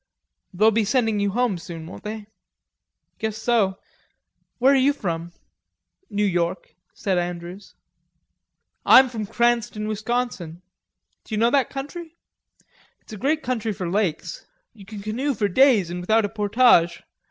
"They'll be sending you home soon, won't they?" "Guess so.... Where are you from?" "New York," said Andrews. "I'm from Cranston, Wisconsin. D'you know that country? It's a great country for lakes. You can canoe for days an' days without a portage.